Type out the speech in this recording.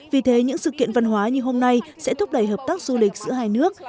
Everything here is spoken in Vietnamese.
vì thế những sự kiện văn hóa như hôm nay sẽ thúc đẩy hợp tác du lịch giữa hai nước